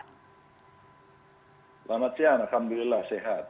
selamat siang alhamdulillah sehat